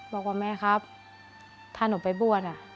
บอกว่าแม่ครับถ้าหนูไปบวช